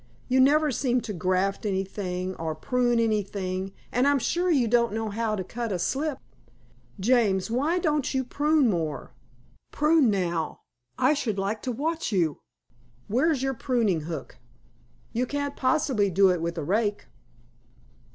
You never seem to graft anything or prune anything, and I'm sure you don't know how to cut a slip. James, why don't you prune more? Prune now I should like to watch you. Where's your pruning hook? You can't possibly do it with a rake."